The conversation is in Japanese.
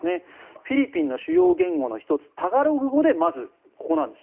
フィリピンの主要言語の１つタガログ語でまず、ここなんです。